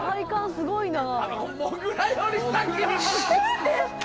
すごいね。